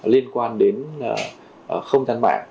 liên quan đến không gian mạng